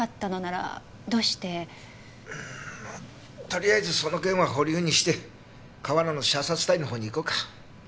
とりあえずその件は保留にして河原の射殺体の方にいこうか。